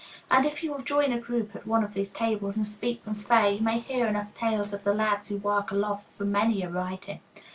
And if you will join a group at one of these tables and speak them fair you may hear enough tales of the lads who work aloft for many a writing.